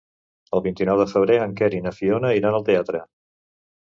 El vint-i-nou de febrer en Quer i na Fiona iran al teatre.